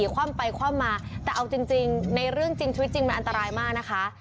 คว่ำไปคว่ำมาแต่เอาจริงในเรื่องจริงชีวิตจริงมันอันตรายมากนะคะ